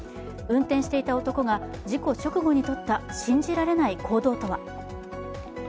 運転していた男が事故直後にとった信じられない行動とは。